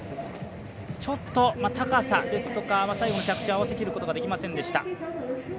ちょっと高さですとか最後の着地、合わせきることができませんでした。